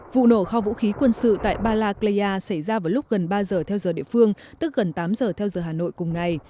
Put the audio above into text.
vụ nổ kho vũ khí quân sự tại balagleya xảy ra vào lúc gần ba giờ theo giờ địa phương tức gần tám giờ theo giờ hà nội cùng ngày